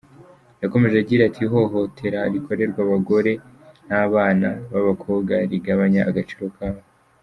Yakomeje agira ati "Ihohotera rikorerwa abagore n’abana b’abakobwa rigabanya agaciro kabo.